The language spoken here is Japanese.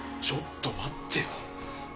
ちょっと待ってよ。